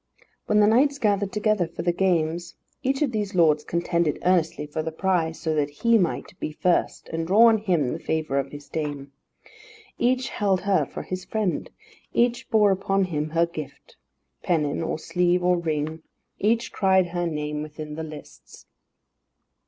When the knights gathered together for the games, each of these lords contended earnestly for the prize, so that he might be first, and draw on him the favour of his dame. Each held her for his friend. Each bore upon him her gift pennon, or sleeve, or ring. Each cried her name within the lists.